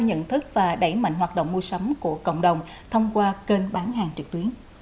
nhận thức và đẩy mạnh hoạt động mua sắm của cộng đồng thông qua kênh bán hàng trực tuyến